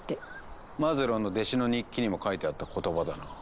マズローの弟子の日記にも書いてあった言葉だな。